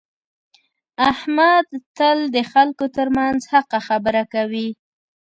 احمد تل د خلکو ترمنځ حقه خبره کوي.